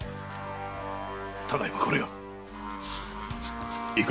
ただ今これが。